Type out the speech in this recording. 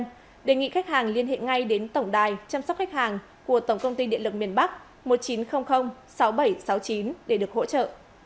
tổng công ty điện lực miền bắc đề nghị khách hàng liên hệ ngay đến tổng đài chăm sóc khách hàng của tổng công ty điện lực miền bắc một chín không không sáu bảy sáu chín để được hỗ trợ